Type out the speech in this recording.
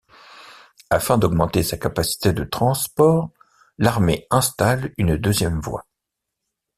Afin d'augmenter sa capacité de transport, l'armée installe une deuxième voie.